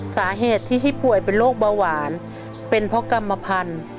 สาเหตุที่ให้ป่วยเป็นโรคเบาหวานเป็นเพราะกรรมพันธุ์